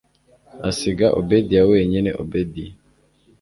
asiga obedia wenyine obedia